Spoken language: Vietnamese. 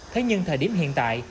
thế nhưng thời điểm hiện tại